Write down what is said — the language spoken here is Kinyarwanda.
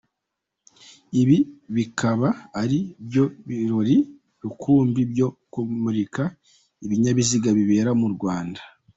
Ibi bikaba ari byo birori rukumbi byo kumurika ibinyabiziga bibera mu Rwanda.